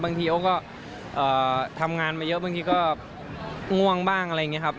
เขาก็ทำงานมาเยอะบางทีก็ง่วงบ้างอะไรอย่างนี้ครับ